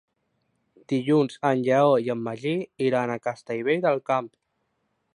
Dilluns en Lleó i en Magí iran a Castellvell del Camp.